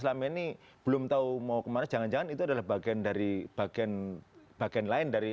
selama ini belum tahu mau kemana jangan jangan itu adalah bagian dari bagian bagian lain dari